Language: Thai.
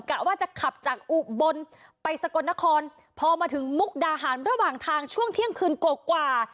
กะว่าจะขับจากอุบลไปสกลนครพอมาถึงมุกดาหารระหว่างทางช่วงเที่ยงคืนกว่ากว่า